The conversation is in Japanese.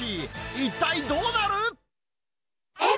一体どうなる？